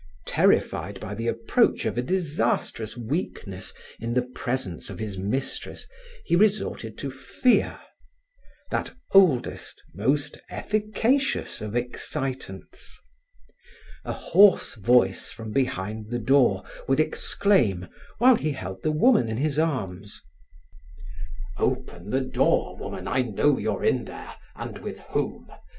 Terrified by the approach of a disastrous weakness in the presence of his mistress, he resorted to fear that oldest, most efficacious of excitants. A hoarse voice from behind the door would exclaim, while he held the woman in his arms: "Open the door, woman, I know you're in there, and with whom.